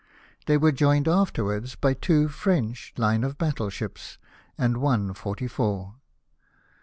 They were joined after wards by two French hne of battle ships, and one forty four.